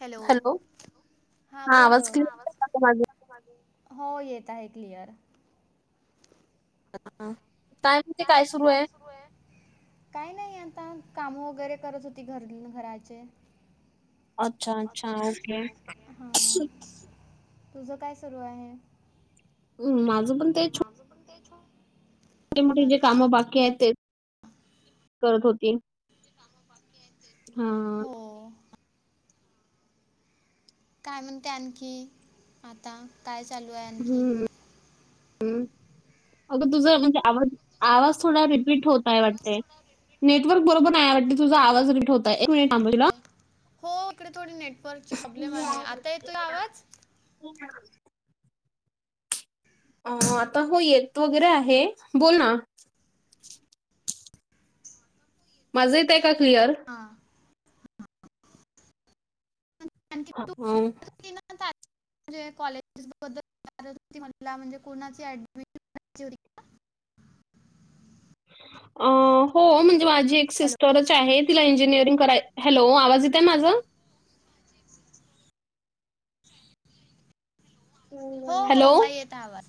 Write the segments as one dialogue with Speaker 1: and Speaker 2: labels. Speaker 1: Hello हा बोल ग. हो येत आहे क्लिअर.
Speaker 2: काय म्हज काय सुरू आहे.
Speaker 1: काय नाही आता काम वगैरे करत होती घर घराचे.
Speaker 2: अच्छा अच्छा ओके.
Speaker 1: हा. तुझं काय सुरू आहे?
Speaker 2: माझं
Speaker 1: माझं पण तेच
Speaker 2: मोठे मोठी जे कामं बाकी आहेत ते. करत होती..
Speaker 1: काय म्हणते आणखी, आता काय चालू आहे आणखी?
Speaker 2: हम् अगं तुझं म्हणजे आवा आवाज थोडा रिपीट होत आहे वाटते नेटवर्क बरोबर नाही वाटते. तुझा आवाज रिपीट हो एक मिनिट [unintelligible] [unintelligible] अ आता हो येत वगैरे आहे बोल ना. माझा येतय का क्लिअर?
Speaker 1: हां.
Speaker 2: अ हा.
Speaker 1: [unintelligible]
Speaker 2: अ हो म्हणजे माझी एक सिस्टरच आहे. तिला इंजिनिरंग कराय, हॅलो आवाज येतय ना माझं?
Speaker 1: [inaudible] हो हो म येत आवाज.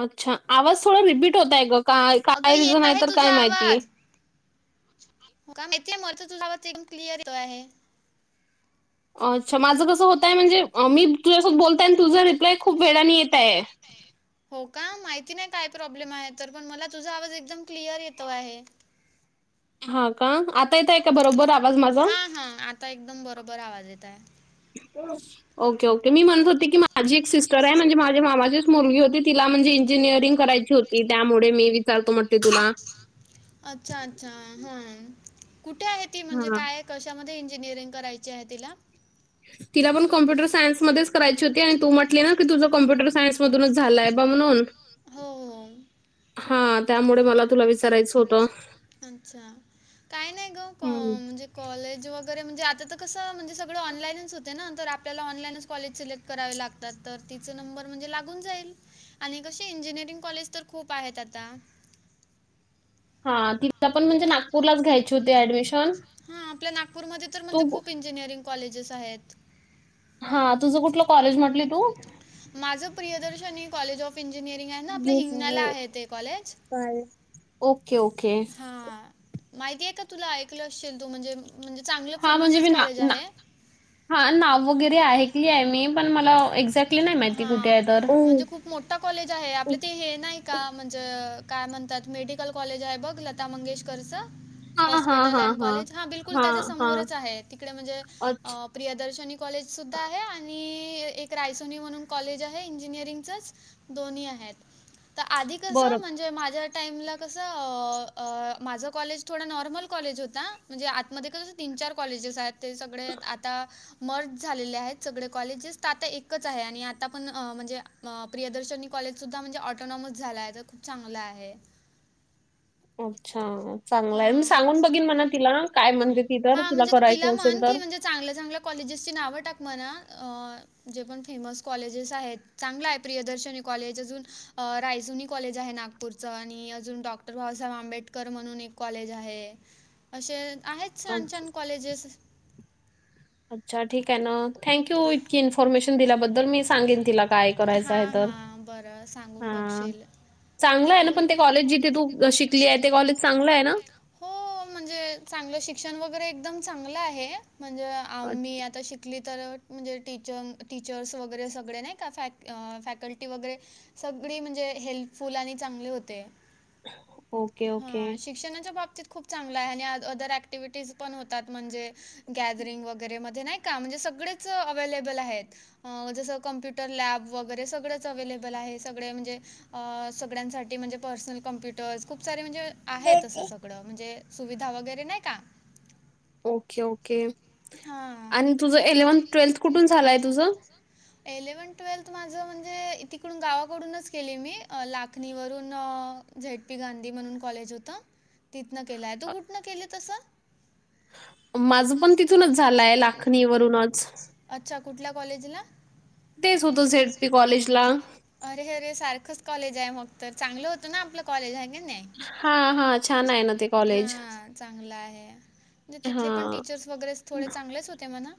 Speaker 2: अच्छा आवाज थोडा रिपीट होतय ग काय काय रिझन आहे तर काय माहितीय.
Speaker 1: [unintelligible]
Speaker 2: अच्छा माझं कसं होतय म्हणजे मी तुझ्यासोबत बोलतय आणि तुझा रिप्लाय खूप वेळाने येत आहे.
Speaker 1: हो का माहिती नाही काय प्रॉब्लेम आहे तर पण मला तुझा आवाज एकदम क्लिअर येतो आहे.
Speaker 2: हा का आता येतय का बरोबर आवाज माझा.
Speaker 1: आता एकदम बरोबर आवाज येत आहे.
Speaker 2: [unintelligible] ओके ओके मी म्हणत होते की माझी एक सिस्टर आहे म्हणजे माझ्या मामाचीच मुलगी होती तिला म्हणजे इंजिनिअरिंग करायची. होती त्यामुळे मी विचारतो मटते तुला.
Speaker 1: अच्छा अच्छा हा कुठे आहे ती म्हणजे काय. कशामध्ये इंजिनिअरिंग करायची आहे तिला.
Speaker 2: तिला पण कम्पुटर सायन्समध्येच करायची होती आणि तू म्हटली ना की तुझं कम्प्युटर सायन्स मधूनच झालाय बा म्हणून.
Speaker 1: हो.
Speaker 2: हा. त्यामुळे मला तुला वि
Speaker 1: अच्छा. काय नाही ग अ म्हणजे कॉलेज वगैरे म्हणजे आता तर कसं म्हणजे सगळं ऑनलाईनच होते ना, तर आपल्याला ऑनलाईनच कॉलेज सिलेक्ट करावे लागतात तर तिच नंबर म्हणजे लागून जाईल. आणि कशी इंजिनिअरिंग कॉलेज तर खूप आहेत आता.
Speaker 2: हा तिला पण म्हणजे नागपूरलाच घ्यायची होती ऍडमिशन.
Speaker 1: हा आपल्या नागपूरमध्ये तर म्हणजे खूप इंजिनिअरिंग कॉलेजेस आहेत.
Speaker 2: हा तुझं कुठलं कॉलेज म्हंटली तू?
Speaker 1: माझं प्रियदर्शनी कॉलेज ऑफ इंजिनिअरिंग आहे ना, आपल्या हिंगण्याला आहे ते कॉलेज.
Speaker 2: काय? ओके ओ
Speaker 1: हा, माहिती आहे का तुला? ऐकली असशील तू म्हणजे म्हणजे चांगलं फेमसच कॉलेज आहे.
Speaker 2: हा नाव वगैरे ऐकली आहे मी, पण मला एक्झॅक्टली नाही माहिती कुठे आहे तर.
Speaker 1: मोठा कॉलेज आहे आपले ते हे नाही का म्हणजे काय म्हणतात मेडिकल कॉलेज आहे बघ. ल लता मंगेशकरचं. हॉस्पिटल अँड कॉलेज हा बिल्कुल त्याच्या समोरच आहे. तिकडे म्हणजे अ प्रियदर्शनी कॉलेज सुद्धा आहे आणि एक राईज [unintelligible] म्हणून कॉलेज आहे इंजिनिअरिंगचच दोन्ही आहेत. तर आधी कसं म्हणजे माझ्या टाइमला कस अ अ माझं कॉलेज थोडा नॉर्मल कॉलेज होता म्हणजे आतमध्ये कसं तीन चार कॉलेजेस आहेत. ते सगळे आता मर्ज झालेले आहेत सगळे कॉलेजेस, तर आता एक च आहे आणि आता पण अ म्हणजे प्रियदर्शनी कॉलेज सुद्धा म्हणजे ऑटोनॉमस झालाय, तर खूप चांगलं आहे.
Speaker 2: अच्छा. चांगला आहे. मी सांगून बघीन म्हण तिला काय म्हणते ती, तर तिला करायचं असेल तर.
Speaker 1: चांगल्या चांगल्या कॉलेजचे नाव टाक म्हणा. अ जे पण फेमस कॉलेजेस आहेत चांगलं आहे प्रियदर्शनी कॉलेज. अजून अ रायजुनी कॉलेज आहे नागपूर नागपूरचं आणि अजून डॉक्टर बाबासाहेब आंबेडकर म्हणून एक कॉलेज आहे. असे आहेतच छान छान कॉलेजेस.
Speaker 2: अच्छा ठीक आहे. मग थँक्यू इतकी इन्फॉर्मेशन दिल्याबद्दल मी सांगेन तिला. काय करायचं आहे तर हा. चांगलं आहे ना पण ते कॉलेज जिथे तू शिकली आहे ते कॉलेज चांगलं आहे ना?
Speaker 1: हो म्हणजे चांगलं शिक्षण वगैरे एकदम चांगलं आहे. म्हणजे आम्ही आता शिकली तर म्हणजे टीच-टीचर्स वगैरे सगळे नाही का फॅक्ट अं फॅकल्टी वगैरे सगळी म्हणजे हेल्पफुल आणि चांगली होते. हा शिक्षणाच्या बाबतीत खूप चांगला आहे आणि आ अदर ॲक्टिव्हिटीज पण होतात. म्हणजे गॅदरिंग वगैरे मध्ये नाही का म्हणजे सगळेच अवेलेबल आहेत. अ जसं कम्प्युटर लॅब वगैरे सगळेच अवेलेबल आहे. सगळे म्हणजे अ सगळ्यांसाठी म्हणजे पर्सनल कॉम्प्युटर्स खूप सारे म्हणजे आहे तसं सगळं म्हणजे सुविधा वगैरे नाही का.
Speaker 2: Okay okay. आणि तुझं इलेव्हन्थ ट्वेल्थ कुठून झालंय तुझं?
Speaker 1: एलेव्हन ट्वेल्थ माझं म्हणजे तिकडून गावाकडूनच केले मी अ लाखणीवरून. अ झेडपी गांधी म्हणून कॉलेज होतं तिथनं केलंय. तू कुठनं केलं तसं?
Speaker 2: माझं पण तिथूनच झालंय लाखणीवरूनच.
Speaker 1: अच्छा कुठल्या कॉलेजला?
Speaker 2: तेच होतं सेडपी कॉलेज ला.
Speaker 1: अरे अरे सारखंच कॉलेज आहे मग तर चांगलं होतं ना आपलं कॉलेज आहे की नाही. हा चांगला आहे ते तिथले टीचर्स. ड्रेस थोडे चांगलेच होते म्हणा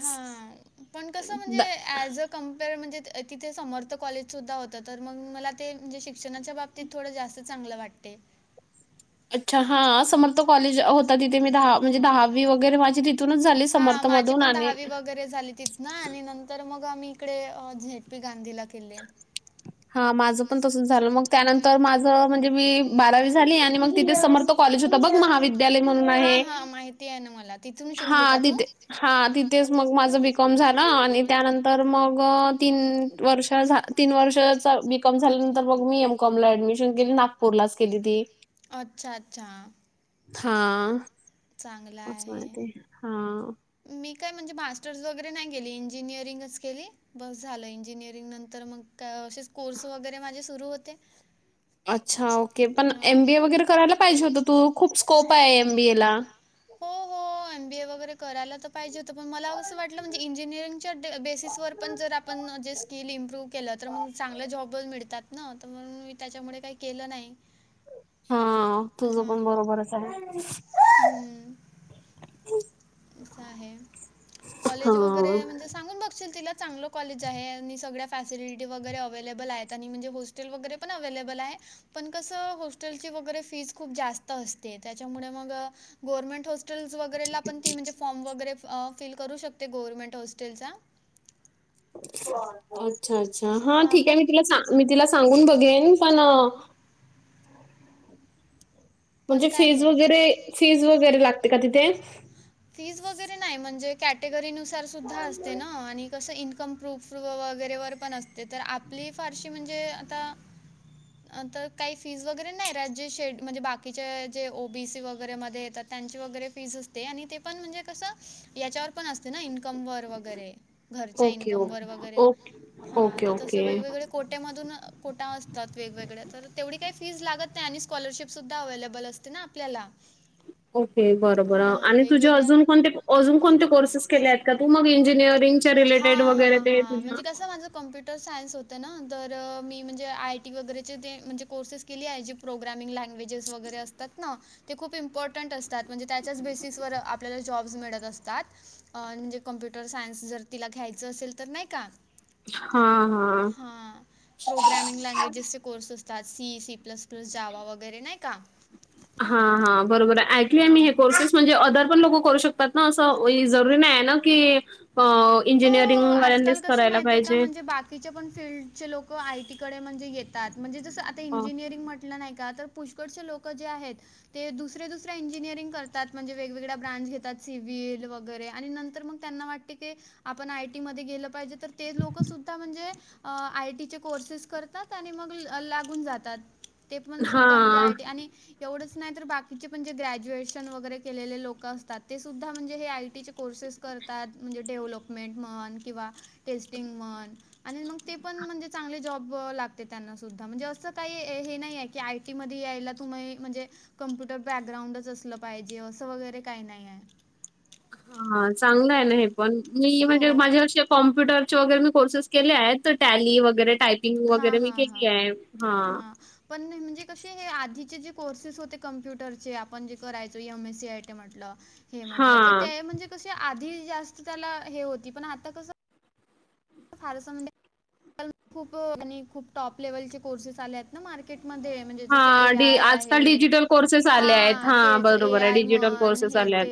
Speaker 1: हा पण कस म्हणजे, कम्पेअर्ड म्हणजे तिथे समर्थ कॉलेजसुद्धा होतं तर मग मला ते म्हणजे शिक्षणाच्या बाबतीत. ते थोडं जास्त चांगलं वाटते.
Speaker 2: अच्छा हा समर्थोक कॉलेज होता तिथे मी दहा म्हणजे दहावी वगैरे माझी तिथूनच झाली समर्थ मधून आणि
Speaker 1: वगैरे झाली तिथ ना आणि नंतर मग आम्ही इकडे झेडपी गांधीला केले.
Speaker 2: [inaudible] हा माझं पण तसंच झालं मग त्यानंतर माझं म्हणजे मी बारावी झाली आणि मग तिथे समर्थ. कॉलेज होता बघ महाविद्यालय म्हणून आहे.
Speaker 1: माहिती हाय ना मला.
Speaker 2: हा तिथे हा तिथेच मग माझं बीकॉम झालं आणि त्यानंतर मग. तीन वर्ष तीन वर्षाचा बीकॉम झाल्यानंतर मग मी एम कॉम ला ऍडमिशन केली ना. पूरलाच केली ती.
Speaker 1: अच्छा अच्छा.
Speaker 2: हा असं हाय त्य हा.
Speaker 1: मी काय म्हणजे मास्टर्स वगैरे नाही केेले इंजिनिअरिंगच केली. बस झालं इंजिनिअरिंग नंतर मग का असेच कोर्स वगैरे माझे सुरू होते.
Speaker 2: अच्छा ओके पण एम बी ए वगैरे करायला पाहिजे होतं तू खूप स्कोप आहे एम बीए ला.
Speaker 1: हो हो एमबीए वगैरे करायला तर. पाहिजे होतं पण मला वाटलं म्हणजे इंजिनिअरिंगच्या डे बेसिसवर पण जर आपण जे स्किल केलं तर मग चांगले जॉब मिळतात ना तर मग मी त्याच्यामुळे काय केलं नाय.
Speaker 2: हा तुझ पण बरोबरच हाय.
Speaker 1: हम्म. असं आहे कॉलेज वगैरे म्हणजे. सांगून बघशील तिला चांगलं कॉलेज आहे आणि सगळ्या फॅसिलिटी वगैरे अववेलेबल आहेत आणि म्हणजे होस्. टेल वगैरे पण अवेलेबल हाय. पण कस हॉस्टेलची वगैरे फीस खूप जास्त असते त्याच्यामुळे मग गवर्मेंट ह टेलला वगैरे पण फॉर्म फील करू शकते की गव्हर्मेंट होस्टेलचा.
Speaker 2: अच्छा अच्छा हा ठीक आहे मी तिला मी तिला सांगून बघेन पण अ. म्हणजे फीज वगैरे फीज वगैरे लागते का तिथे.
Speaker 1: फीज वगैरे नाही म्हणजे कॅटेगरीनुसार सुद्धा असते ना आणि तसं इन्कम प्रूफ वर वगैरे वर पण असते पण आपली फारशी. काही फीज वगैरे नाही शे म्हणजे बा जे ओबीसी मध्ये वगैरे येतात त्यांची फी असते पण ते पण कसं. याच्यावर पण असते ना इन्कम वर वगैरे. घरच्या इन्कम वर वगैरे हा तर तसे वेगवेगळे को धून कोटा असतात वेगवेगळ्या तर तेवढी काही फीज लागत नाही आणि स्कॉलरशिप. अवेलेबल असते ना आपल्याला
Speaker 2: ओके बरोबर आणि तुझे अजून कोणते अजून कोणते कोर्सेस केले आहेत का तू मग इंजिनिअरिंग. च्या रिलेटेड वगैरे ते तुझ्या.
Speaker 1: कम्प्युटर सायन्स होत ना तर मी म्हणजे आय टी वगैरेचे ते म्हणजे कोर्सेस केली आहे जी प्रोग्रामिंग ला. लँग्वेजेस वगैरे असतात ना ते खूप इम्पॉर्टंट असतात म्हणजे त्याच्याच बेसिसवर आपल्याला जॉब्स मिळत असतात अ म्हणजे कम्प्युटर सायन्स जर तिला घ्यायचं असेल तर नाय का हा प्रोग्रॅमिंग लँग्वेजेसचे कोर्स असतात C C plus plus Java वगैरे नाय का
Speaker 2: हा हा बरोबर हाय ऐकले आहे मी हे कोर्सेस म्हणजे ओदर पण लोकं करू शक तात ना असं जरुरी नाही ना की इंजिनिअरिंग वाल्यांनीच करायला पाहिजे
Speaker 1: तिच्या पण फिल्डचे लोक आयटी कडे म्हणजे येतात म्हणजे जसं आता इंजीनियरिंग म्हटलं नाय का तर पुष्कळ शे लोक जे आहेत ते दुसरे दुसऱ्या इंजिनिअरिंग करतात म्हणजे वेगवेगळ्या ब्रांच घेतात सिव्हिल वगैरे आणि नंतर मग त्यांना वाट ते की आपण आय टी मध्ये गेलं पाहिजे तर ते लोक सुद्धा म्हणजे आयटीचे कोर्सेस करतात आणि मग लागून जातात ते पण सुद्धा म्हणजे आयटी आणि एवढेच नाही तर बाकीचे पण जे ग्रॅज्युएशन वगैरे केलेले लोक असतात ते सुद्धा म्हणजे हे आय टी चे कोर्सेस कर तात म्हणजे डेव्हलप मेंट म्हण किंवा टेस्टिंग म्हण आणि मग ते पण म्हणजे चांगले जॉब लागते त्यांना सुद्धा म्हणजे असं काही हे नाही आहे की आयटी मध्ये यायला तुम्ही म्हणजे कम्प्युटर बॅकग्राउंडच असलं पाहिजे असं वगैरे काय नाही हाय
Speaker 2: हा चांगलं आहे ना हे पण मी म्हणजे माझे अशे कॉम्प्युटर ची वगैरे मी कोर्सेस केले आहेत तर टॅली वगैरे टायपिंग वगैरे मी केली आहे हा
Speaker 1: पण नई म्हणजे कशे हे आधीचे जे कोर्सेस होते कम्प्युटरचे आपण जे करायचो एम सी आय टी म्हटलं हे म्हटलं तर ते म्हणजे कशे आधी जास्त त्याला हे होती पण आता कस फार असं म्हणजे कारण खूप आणि खूप टॉप लेवलचे कोर्सेस आले आहेत ना मार्केटमध्ये म्हणजे जसं एआय आहे हा तेच ए आय म्हण हे ते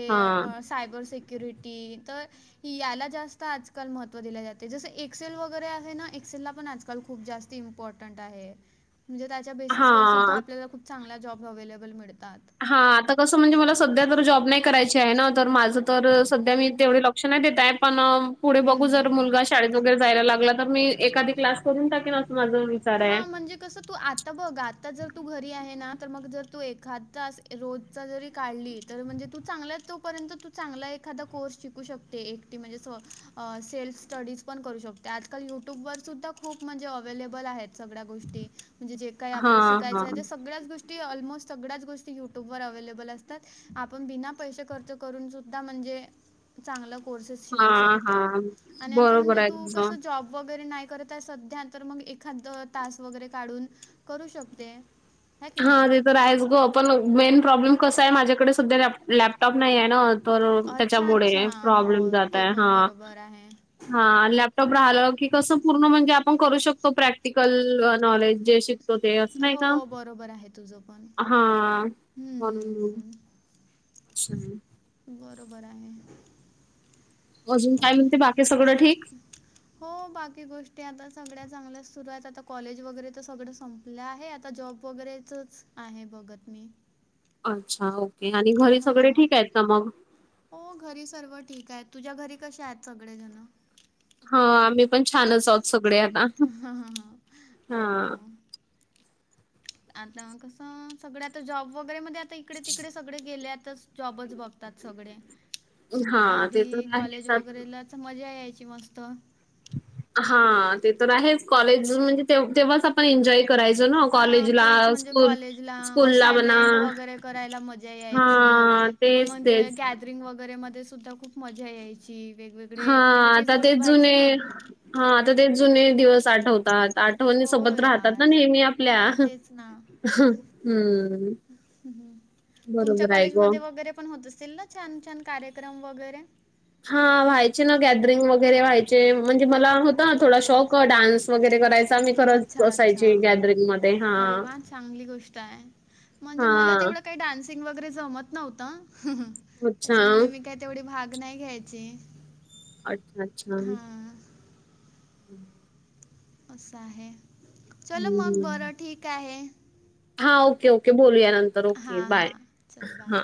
Speaker 1: सायबर सिक्युरिटी तर याला जास्त आजकाल महत्त्व दिले जातं जस एक्सेल वगैरे आहे ना एक्सेलला पण आजकाल खूप जास्त इम्पॉर्टंट आहे म्हणजे त्याच्या बेसिसवर सुद्धा आपल्याला खूप चांगल्या जॉब अव्हेलेबल मिळतात
Speaker 2: हा आता कसं म्हणजे मला सध्या तर जॉब नाही करायची आहे ना तर माझं तर सध्या मी तेवढे लक्ष नाही देत आहे पण पुढे बघू जर मुलगा शाळेत वगैरे जायला लागला तर मी एाखादी क्लास करून टाकेल आज माझं मी
Speaker 1: हा म्हणजे कसं तू आता बघ आता जर तू घरी आहे ना तर मग जर तू एखादा तास रोजचा जरी काढली तर म्हणजे तू चांगला तोपर्यंत तू चांगला एखादा कोर्स शिकू शकते एक टी म्हणजेच सेल्फ स्टडीज पण करू शकते आजकाल यूट्यूबवर सुुद्धा खूप म्हणजे अवैलेबल आहेत सगळ्या गोष्टी म्हणजे जे काय आपल्याला शिकायचंय त्या सगळ्याच गोष्टी ऑलमोस्ट सगळ्याच गोष्टी युट्यूबवर अवेलेबल असतात आपण बिना पैसे खर्च करून सुद्धा म्हणजे चागंल कोर्सस शिकू शकतो आणि आता म्हणजे तू कस जाॅब वगैरे नाही करतय सध्या तर मग एखादं तास वगैरे काढून करू शकते
Speaker 2: हा ते तर आहेच ग पण मेन प्रॉब्लेम कस आहे माझ्याकडे संध्या लॅप लॅपटॉप नाही हाय ना तर त्याच्यामुळे हे प्रॉब्लेम जातय हा हा लॅपटॉप राहिलं की कसं पूर्ण म्हणजे आपण करू शकतो प्रॅक्टिकल नॉलेज जे तो ते असं नाही का?
Speaker 1: बरोबर आहे तुझं पण.
Speaker 2: हा म्हणून. [unintelligible]
Speaker 1: बरोबर आहे.
Speaker 2: अजून काय म्हणते बाकी सगळं ठीक?
Speaker 1: हो बाकी गोष्टी आता सगळ्या चांगल्याच सुरू आहेत आता कॉलेज वगैरे तर सगळं सं पला आहे आता जॉब वगैरेचच आहे बघत मी.
Speaker 2: अच्छा ओके आणि घरी सगळे ठीक आहेत ना मग?
Speaker 1: हो घरी सर्व ठीक आहेत तुझ्या घरी कशे आहेत सगळेजण?
Speaker 2: हा आम्ही पण छानच आहोत सगळे आता हा.
Speaker 1: आता कसं सगळे आता जॉब वगैरे मध्ये आता इकडे तिकडे सगळे गेल्यातच जॉबच बघता सगळे आधी कॉलेज वगैरेला च मजा यायची मस्त.
Speaker 2: हा ते तर आहेच कॉलेज म्हणजे तेव तेव्हाच आपण एन्जॉय करायच ना कॉलेजला स्कूल स्कूल ला म्हणा हा. तेच.. तेज
Speaker 1: रिंग मध्ये वगैरे सुद्धा खूप मजा यायची वेगवेगळे ऍक्टिव्हिटीज होत.. व्हायचे ना.
Speaker 2: हा आता ते जुने दिवस आठव आता आठवणी सोबत राहतात ना नेहमी आपल्या.. ह्.. ह्.. हम्म.
Speaker 1: तुमच्या कॉलेजमध्ये वगैरे पण होत असतील ना छान- छान कार्यक्रम वगैरे
Speaker 2: हा व्हायचे ना गॅदरिंग वगैरे व्हायचे म्हणजे मला होता ना थोडा शॉक डान्स वगैरे करायचा मी,
Speaker 1: अच्छा, अच्छा, अरे! वा चांगली गोष्ट आहे. म्हणजे मला तेवढं.. काय डान्सिंग वगैरे जमत नव्हत हं... त्याच्यामुळे मी काय तेवढी भाग नाही घ्यायची.
Speaker 2: अच्छा.. अच्छा [unintelligible]
Speaker 1: असं आहे.. चल मग बरं ठीक आहे.
Speaker 2: हा ओके ओके बोलूया नंतर ओके बाय हा!